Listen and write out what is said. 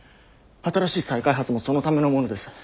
新しい再開発もそのためのものです。